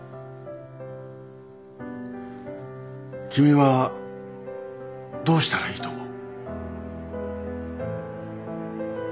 君はどうしたらいいと思う？